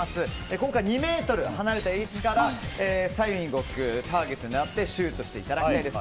今回、２ｍ離れた位置から左右に動くターゲットを狙ってシュートしていただきたいです。